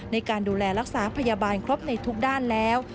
ในการดูแลรักษาพยาบาลครบในทุกด้านแล้ว